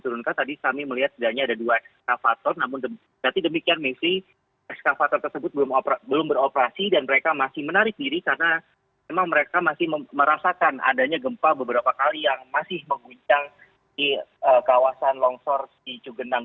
tadi kami melihat tidak hanya ada dua ekskavator namun berarti demikian messi eskavator tersebut belum beroperasi dan mereka masih menarik diri karena memang mereka masih merasakan adanya gempa beberapa kali yang masih menguncang di kawasan longsor si cugenang